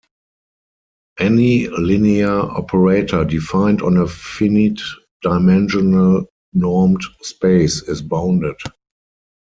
Any linear operator defined on a finite-dimensional normed space is bounded.